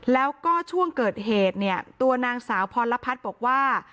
แล้วก็ช่วงเกิดเหตุเนี่ยตัวนางสาวพรพัฒน์บอกว่า